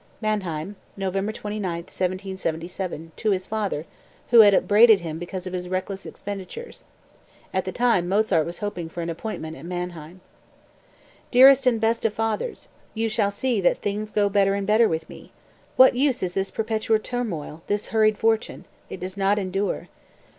(Mannheim, November 29, 1777, to his father, who had upbraided him because of his reckless expenditures. At the time Mozart was hoping for an appointment at Mannheim.) 204. "Dearest and best of fathers: You shall see that things go better and better with me. What use is this perpetual turmoil, this hurried fortune? It does not endure.